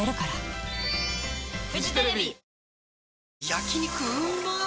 焼肉うまっ